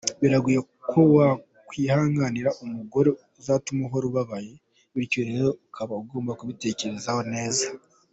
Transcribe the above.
Biragoye ko wakwihanganira umugore uzatuma uhora ubabaye, bityo rero uba ugomba kibitekerezaho neza.